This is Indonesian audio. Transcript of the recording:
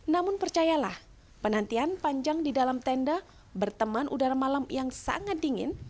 namun percayalah penantian panjang di dalam tenda berteman udara malam yang sangat dingin